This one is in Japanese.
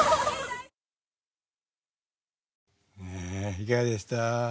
いかがでした？